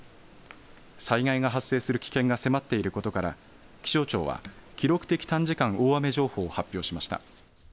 災害が発生する危険が迫っていることから、気象庁は、記録的短時間大雨情報を発表しました。